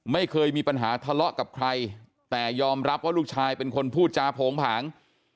ไม่เคยมีปัญหาทะเลาะกับใครแต่ยอมรับว่าลูกชายเป็นคนพูดจาโผงผาง